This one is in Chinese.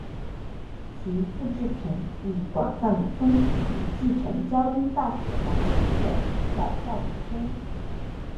其复制品亦广泛分布于继承交通大学的五所学校校园中。